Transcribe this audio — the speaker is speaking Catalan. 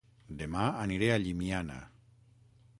Dema aniré a Llimiana